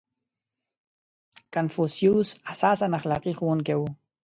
• کنفوسیوس اساساً اخلاقي ښوونکی و.